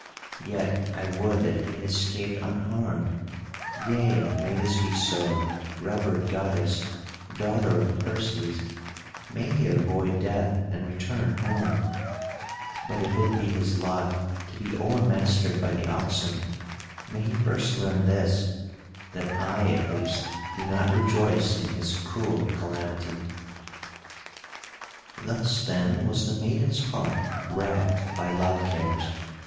Yet I would that he had escaped unharmed; yea, may this be so, revered goddess, daughter of Perses, may he avoid death and return home; but if it be his lot to be o'ermastered by the oxen, may he first learn this, that I at least do not rejoice in his cruel calamity." Thus then was the maiden's heart racked by love cares.